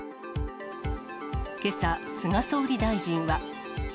けさ、菅総理大臣は。